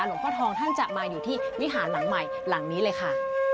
หลวงพ่อทองท่านจะมาอยู่ที่วิหารหลังใหม่หลังนี้เลยค่ะ